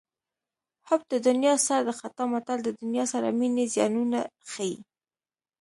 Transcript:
حب د دنیا سر د خطا متل د دنیا سره مینې زیانونه ښيي